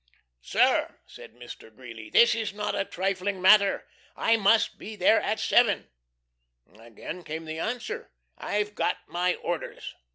"Sir," said Mr. Greeley, "this is not a trifling matter. I MUST be there at 7!" Again came the answer, "I've got my orders!"